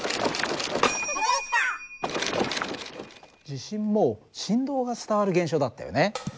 地震も振動が伝わる現象だったよね。